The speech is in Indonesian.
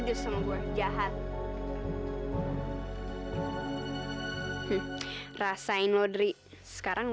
kamu sari kan